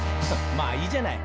「まあいいじゃない」